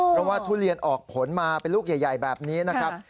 เพราะว่าทุเรียนออกผลมาเป็นลูกใหญ่แบบนี้นะครับ